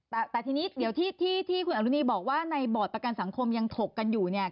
แต่ทีนี้เดี๋ยวที่คุณอรุณีบอกว่าในบอร์ดประกันสังคมยังถกกันอยู่เนี่ย